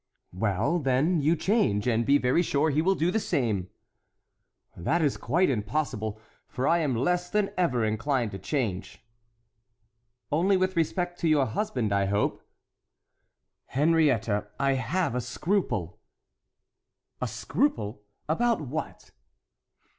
"Well, then, you change, and be very sure he will do the same." "That is quite impossible, for I am less than ever inclined to change." "Only with respect to your husband, I hope." "Henriette, I have a scruple." "A scruple! about what?"